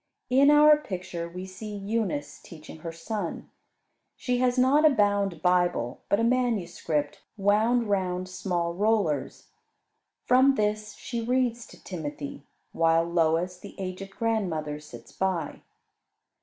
In our picture we see Eunice teaching her son. She has not a bound Bible, but a manuscript, wound round small rollers. From this she reads to Timothy; while Lois, the aged grandmother, sits by.